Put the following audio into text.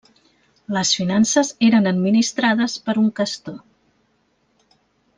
Les finances eren administrades per un questor.